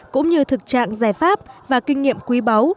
cũng như thực trạng giải pháp và kinh nghiệm quý báu